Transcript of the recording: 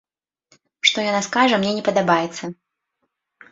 Што яна скажа, мне не падабаецца.